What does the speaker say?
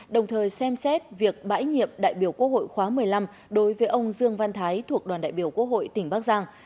đồng thời xem xét việc bãi nhiệm đại biểu quốc hội khóa một mươi năm đối với ông dương văn thái thuộc đoàn đại biểu quốc hội tỉnh bắc giang